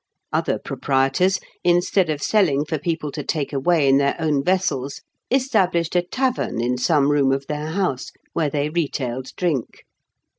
Other proprietors, instead of selling for people to take away in their own vessels, established a tavern in some room of their house, where they retailed drink (Fig.